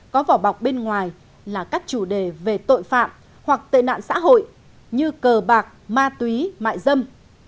có vỏ bọc bên ngoài là các chủ đề về tội phạm hoặc tệ nạn xã hội như cờ bạc ma túy mại dâm